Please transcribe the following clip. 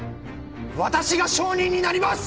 私が証人になります！